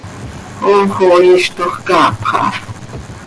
Hoox oo iiztox caapxa ha.